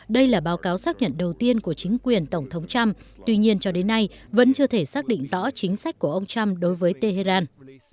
đây là báo cáo xác nhận đầu tiên của chính quyền tổng thống trump tuy nhiên cho đến nay vẫn chưa thể xác định rõ chính sách của ông trump đối với tehran